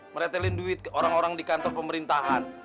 meretelin duit orang orang di kantor pemerintahan